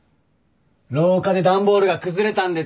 廊下で段ボールが崩れたんですよ。